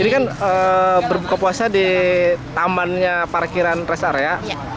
ini kan berbuka puasa di tamannya parkiran rest area